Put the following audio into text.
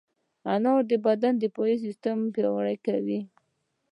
انار د بدن دفاعي سیستم پیاوړی کوي.